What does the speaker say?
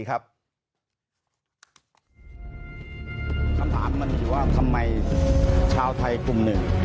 คำถามมันอยู่ว่าทำไมชาวไทยกลุ่มหนึ่ง